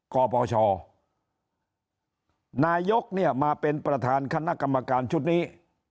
ปปชนายกเนี่ยมาเป็นประธานคณะกรรมการชุดนี้